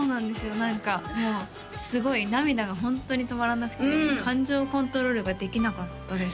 何かもうすごい涙がホントに止まらなくて感情のコントロールができなかったです